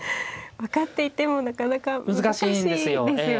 分かっていてもなかなか難しいですよね。